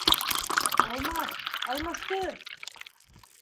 Алмас, алмаштыр!